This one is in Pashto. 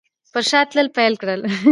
پر شا تلل پیل کړل.